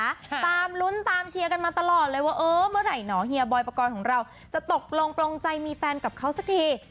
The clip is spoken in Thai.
ทราบค่ะตามรุ้นตามเชียร์กันมาตลอดเลยว่าเมื่อไหนเนาะเฮียบอยประกอดของเราจะตกลงตรงใจมีแฟนกับเขาสักที